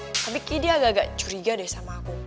tapi ki dia agak agak curiga deh sama aku